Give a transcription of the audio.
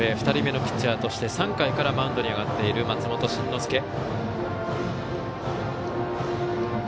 ２人目のピッチャーとして３回からマウンドに上がっている松本慎之介。